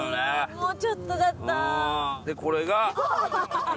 もうちょっとだった。